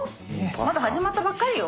まだ始まったばっかりよ。